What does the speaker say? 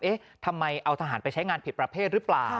เอ๊ะทำไมเอาทหารไปใช้งานผิดประเภทหรือเปล่า